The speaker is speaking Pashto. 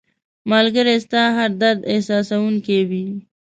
ملګری ستا هر درد احساسوونکی وي